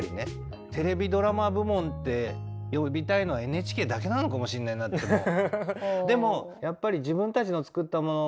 「テレビドラマ部門」って呼びたいのはＮＨＫだけなのかもしんないなってもう。